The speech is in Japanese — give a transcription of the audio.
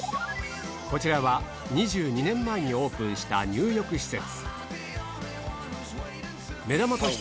こちらは２２年前にオープンした入浴施設